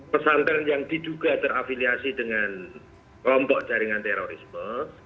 satu ratus sembilan puluh delapan pesantren yang diduga terafiliasi dengan rombok jaringan terorisme